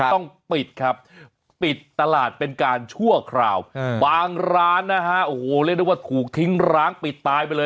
ต้องปิดครับปิดตลาดเป็นการชั่วคราวบางร้านนะฮะโอ้โหเรียกได้ว่าถูกทิ้งร้างปิดตายไปเลย